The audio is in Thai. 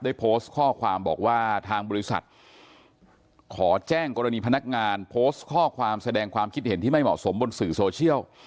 ได้โพสต์ข้อความบอกว่าทางบริษัทขอแจ้งกรณีพนักงานโพสต์ข้อความแสดงความคิดเห็นที่ไม่เหมาะสมบนสื่อโซเชียล